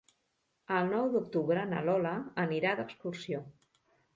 El nou d'octubre na Lola anirà d'excursió.